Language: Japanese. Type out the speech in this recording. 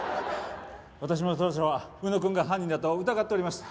私も当初は浮野くんが犯人だと疑っておりました。